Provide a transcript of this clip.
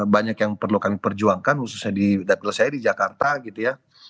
banyak yang perlu kami perjuangkan khususnya di dapil saya di jakarta gitu ya